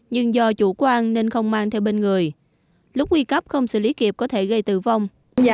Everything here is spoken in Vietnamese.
nhưng do chủ quan nên không mang theo bên người lúc nguy cấp không xử lý kịp có thể gây tử vong